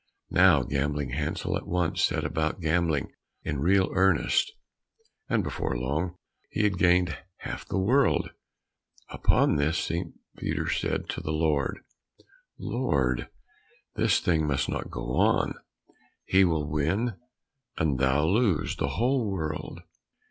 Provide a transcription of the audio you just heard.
And now Gambling Hansel at once set about gambling in real earnest, and before long he had gained half the world. Upon this St. Peter said to the Lord, "Lord, this thing must not go on, he will win, and thou lose, the whole world.